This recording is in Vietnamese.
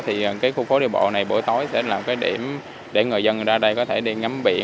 thì cái khu phố đi bộ này buổi tối sẽ là một cái điểm để người dân ra đây có thể đi ngắm biển